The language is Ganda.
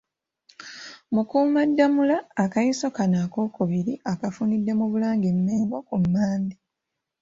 Mukuumaddamula akayiso kano akookubiri akafunidde mu Bulange e Mmengo ku Mmande.